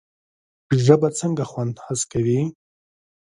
ژبه څنګه خوند حس کوي؟